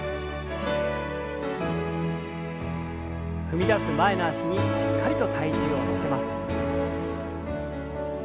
踏み出す前の脚にしっかりと体重を乗せます。